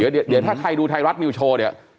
เดี๋ยวถ้าใครดูไทยรัฐนิวโชว์เนี่ย